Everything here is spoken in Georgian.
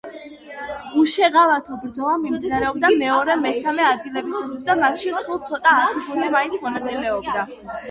უშეღავათო ბრძოლა მიმდინარეობდა მეორე-მესამე ადგილებისათვის და მასში სულ ცოტა ათი გუნდი მაინც მონაწილეობდა.